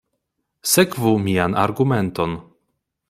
Sekvu mian argumenton.